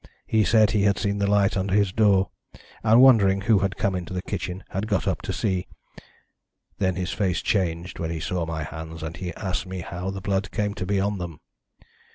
He said he had seen the light under his door, and wondering who had come into the kitchen had got up to see. Then his face changed when he saw my hands, and he asked me how the blood came to be on them.